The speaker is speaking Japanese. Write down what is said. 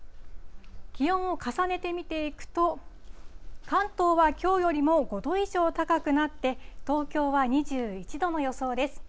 気温を重ねて見ていくと、関東はきょうよりも５度以上高くなって、東京は２１度の予想です。